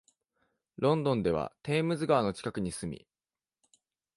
ロンドンではテームズ川の近くに住み、